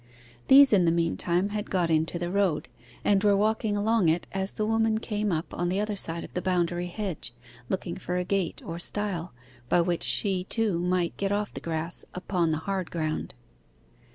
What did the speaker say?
These in the meantime had got into the road, and were walking along it as the woman came up on the other side of the boundary hedge, looking for a gate or stile, by which she, too, might get off the grass upon the hard ground.